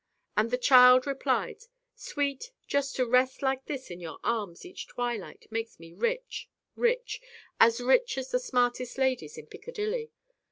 And the child replied, "Sweet, just to rest like this in your arms each twilight makes me rich, rich as rich as the smartest ladies in Piccadilly."